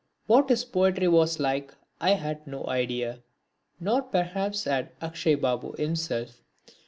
What his poetry was like I had no idea, nor perhaps had Akshay Babu himself.